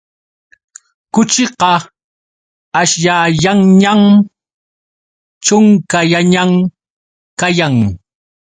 Kuchiqa aśhllayanñam, ćhunkallañam kayan.